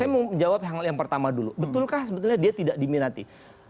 saya mau jawab hal yang pertama dulu betulkah sebetulnya dia tidak diminati